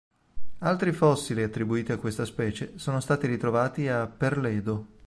Altri fossili attribuiti a questa specie sono stati ritrovati a Perledo.